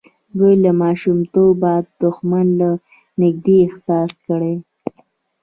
دوی له ماشومتوبه دښمن له نږدې احساس کړی.